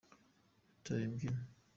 Yataye ibyino?